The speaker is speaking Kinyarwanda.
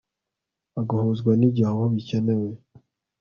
agahuzwa n'igihe aho bikenewe